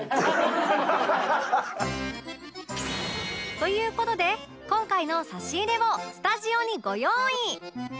という事で今回の差し入れをスタジオにご用意